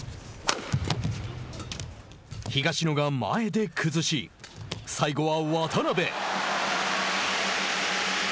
東野が前で崩し最後は渡辺。